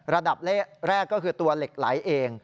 ระดับแรกก็คือตัวเหล็กไหลเอง